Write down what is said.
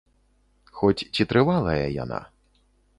Хоць ці трывалая яна?